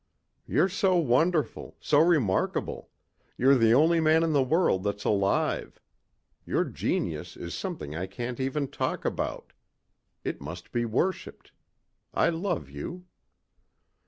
"You're so wonderful. So remarkable. You're the only man in the world that's alive. Your genius is something I can't even talk about. It must be worshipped. I love you."